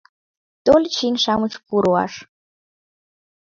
Тольыч еҥ-шамыч пу руаш.